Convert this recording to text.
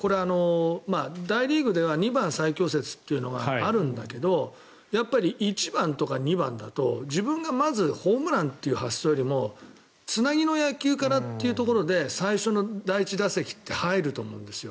大リーグでは２番最強説っていうのがあるんだけどやっぱり１番とか２番だと自分が、まずホームランっていう発想よりもつなぎの野球かなっていうところで最初の第１打席って入ると思うんですよ。